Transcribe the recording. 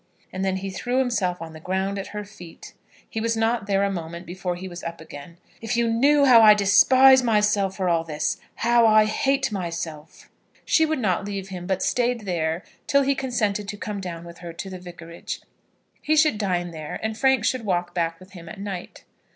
And then he threw himself on the ground at her feet. He was not there a moment before he was up again. "If you knew how I despise myself for all this, how I hate myself!" She would not leave him, but stayed there till he consented to come down with her to the Vicarage. He should dine there, and Frank should walk back with him at night.